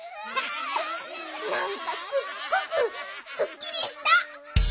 なんかすっごくすっきりした！